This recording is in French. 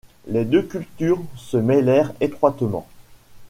Les deux cultures se mêlèrent étroitement.